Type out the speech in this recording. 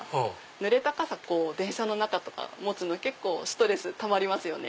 ぬれた傘電車の中とか持つの結構ストレスたまりますよね。